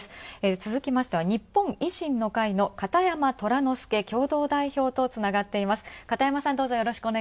続きましては、日本維新の会の片山虎之助共同代表とつながっています。